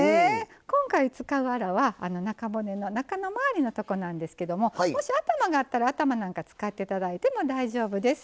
今回使うアラは中骨の中の周りのとこなんですけどももし頭があったら頭なんか使っていただいても大丈夫です。